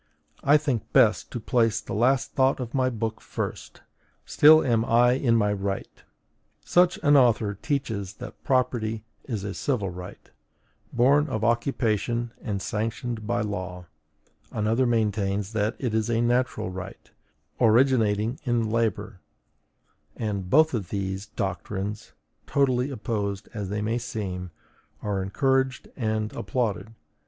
I think best to place the last thought of my book first: still am I in my right. Such an author teaches that property is a civil right, born of occupation and sanctioned by law; another maintains that it is a natural right, originating in labor, and both of these doctrines, totally opposed as they may seem, are encouraged and applauded.